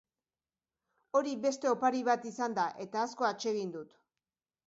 Hori beste opari bat izan da eta asko atsegin dut.